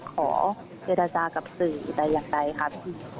ขอเจรจากับสื่อใดครับ